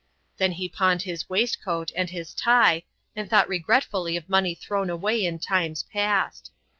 Then he pawned his waistcoat and his tie, and thought regretfully of money thrown away in times past.